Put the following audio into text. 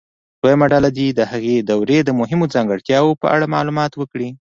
دویمه ډله دې د هغې دورې د مهمو ځانګړتیاوو په اړه معلومات ورکړي.